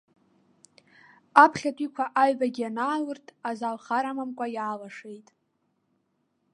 Аԥхьатәиқәа аҩбагьы анаалырт, азал хар амамкәа иаалашеит.